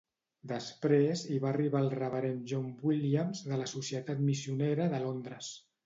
Després hi va arribar el reverend John Williams de la Societat Missionera de Londres.